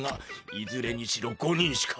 いずれにしろ５人しかおらん。